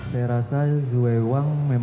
saya rasa zhu wei wang menang